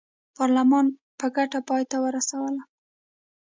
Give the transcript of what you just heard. پارلمان په ګټه پای ته ورسوله.